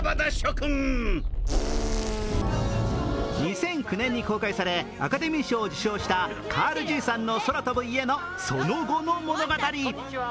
２００９年に公開され、アカデミー賞を受賞した「カールじいさんの空飛ぶ家」のその後の物語。